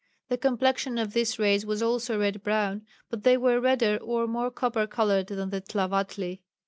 The complexion of this race was also a red brown, but they were redder or more copper coloured than the Tlavatli.